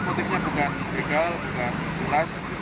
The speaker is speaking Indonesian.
insulat motifnya bukan legal bukan keras